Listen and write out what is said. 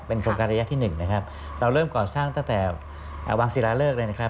โครงการระยะที่หนึ่งนะครับเราเริ่มก่อสร้างตั้งแต่วังศิลาเลิกเลยนะครับ